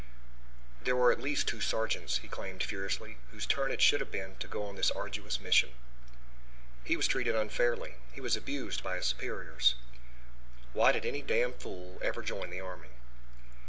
There were at least two sergeants, he claimed furiously, whose turn it should have been to go on this arduous mission. He was treated unfairly; he was abused by his superiors; why did any damned fool ever join the army?